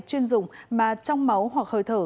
chuyên dùng mà trong máu hoặc hơi thở